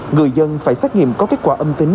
người dân phải xét nghiệm có kết quả âm tính